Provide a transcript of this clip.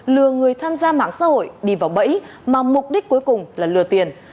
lừa người tham gia mạng xã hội đi vào bẫy mà mục đích cuối cùng là lừa tiền